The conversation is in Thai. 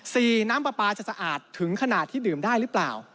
น้ำปลาปลาจะสะอาดถึงขนาดที่ดื่มได้หรือเปล่า